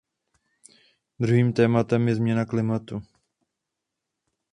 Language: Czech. Druhým tématem je změna klimatu.